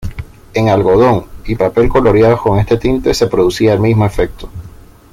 En algodón y papel coloreados con este tinte se producía el mismo efecto.